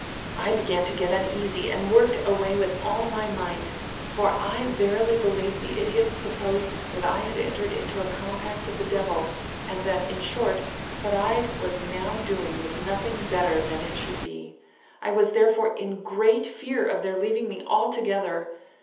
I began to get uneasy, and worked away with all my might, for I verily believe the idiots supposed that I had entered into a compact with the devil, and that, in short, what I was now doing was nothing better than it should be. I was, therefore, in great fear of their leaving me altogether.